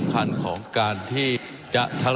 ว่าการกระทรวงบาทไทยนะครับ